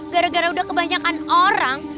gara gara udah kebanyakan orang